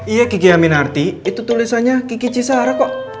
iya kiki aminarti itu tulisannya kiki cisara kok